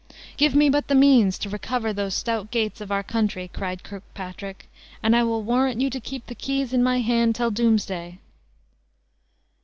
"Give me but the means to recover those stout gates of our country," cried Kirkpatrick, "and I will warrant you to keep the keys in my hand till doomsday."